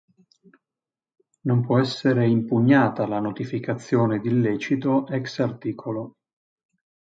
Non può essere impugnata la notificazione d'illecito ex art.